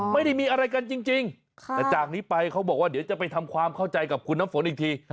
ไม่ได้มีอะไรกันจริงแต่จากนี้ไปเขาบอกว่าเดี๋ยวจะไปทำความเข้าใจกับคุณน้ำฝนอีกที